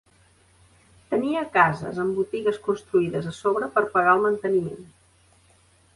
Tenia cases amb botigues construïdes a sobre per pagar el manteniment.